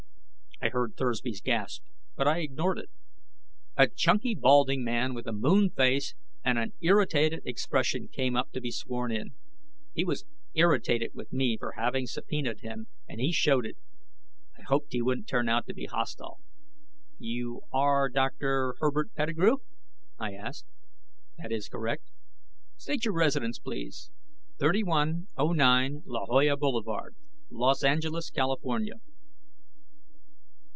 I heard Thursby's gasp, but I ignored it. A chunky, balding man with a moon face and an irritated expression came up to be sworn in. He was irritated with me for having subpoenaed him, and he showed it. I hoped he wouldn't turn out to be hostile. "You are Dr. Herbert Pettigrew?" I asked. "That is correct." "State your residence, please." "3109 La Jolla Boulevard, Los Angeles, California."